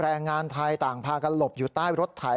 แรงงานไทยต่างพากันหลบอยู่ใต้รถไถ